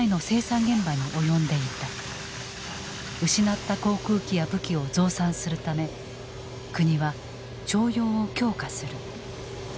失った航空機や武器を増産するため国は徴用を強化する。